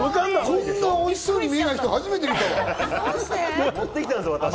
こんなおいししそうに見えない人、初めて見た。